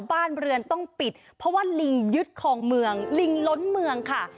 บ้านเรือนต้องปิดเพราะว่าลิงยึดคลองเมืองลิงล้นเมืองค่ะ